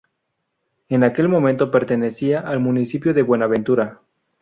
En aquel momento pertenecía al municipio de Buenaventura.